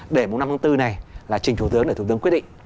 để mùng năm tháng bốn này là trình thủ tướng để thủ tướng quyết định